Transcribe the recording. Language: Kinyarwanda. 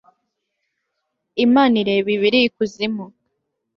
imana ireba ibiri ikuzimu